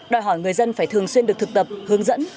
đòi hỏi người dân phải thường xuyên được thực tập hướng dẫn